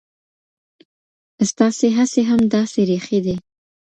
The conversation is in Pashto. ستاسې هڅې هم داسې ریښې دي.